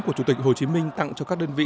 của chủ tịch hồ chí minh tặng cho các đơn vị